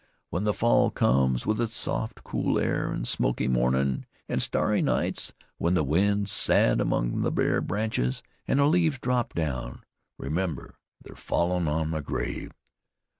When the fall comes with its soft, cool air, an' smoky mornin's an' starry nights, when the wind's sad among the bare branches, an' the leaves drop down, remember they're fallin' on my grave."